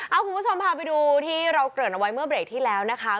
เอาคุณผู้ชมพาไปดูที่เราเกริ่นเอาไว้เมื่อเบรกที่แล้วนะคะ